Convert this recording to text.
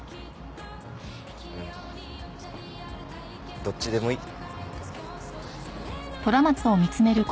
うんどっちでもいい。